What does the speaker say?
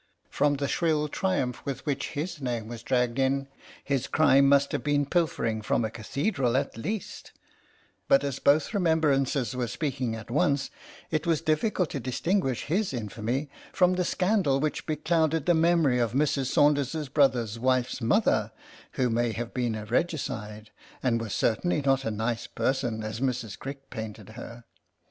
From the shrill triumph with which his name was dragged in, his crime must have been pilfering from a cathedral at least, but as both remembrancers were speak ing at once it was difficult to distinguish his infamy from the scandal which beclouded the memory of Mrs. Saunders' brother's wife's mother — who may have been a regicide, and was certainly not a nice person as Mrs. Crick painted her.